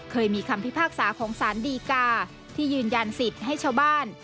เคยมีคำพิพากษาของสารดีกาที่ยืนยันสิทธิ์ให้ชาวบ้าน